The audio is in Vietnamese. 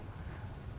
để những người dân